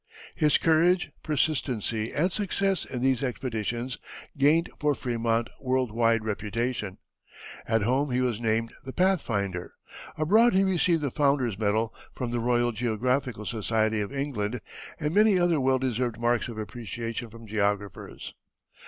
His courage, persistency, and success in these expeditions gained for Frémont world wide reputation. At home he was named The Pathfinder; abroad he received the Founders' Medal from the Royal Geographical Society of England and many other well deserved marks of appreciation from geographers.